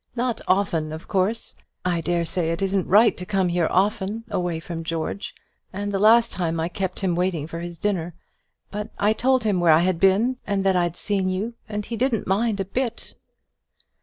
Not often, of course; I dare say it isn't right to come here often, away from George; and the last time I kept him waiting for his dinner; but I told him where I had been, and that I'd seen you, and he didn't mind a bit."